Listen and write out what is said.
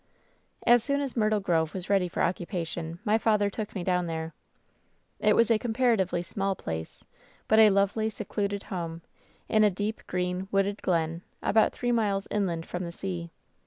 "As soon as Myrtle Grove was ready for occupation, my father took me down there. "It was a comparatively small place, but a lovely, secluded home, in a deep, green, wooded glen, about three miles inland from the sea.